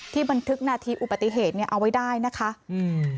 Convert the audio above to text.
บันทึกนาทีอุบัติเหตุเนี้ยเอาไว้ได้นะคะอืม